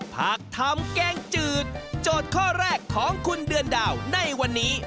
หากทำแกงจืดโจทย์ข้อแรกของคุณเดือนดาวในวันนี้